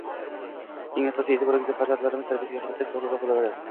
Eng asosiy e’tiborni farzandlarimiz tarbiyasiga qaratsak, to‘g‘riroq bo‘ladi.